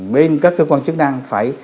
bên các cơ quan chức năng phải